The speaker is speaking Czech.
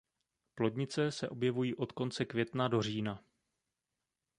Plodnice se objevují od konce května do října.